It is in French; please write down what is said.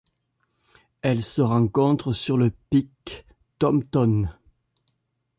Elle se rencontre sur le pic Thomton.